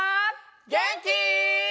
げんき？